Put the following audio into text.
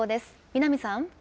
南さん。